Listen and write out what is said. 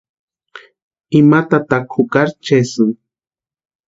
Ima tataka jukari chesïni.